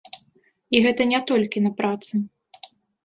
І гэта не толькі на працы.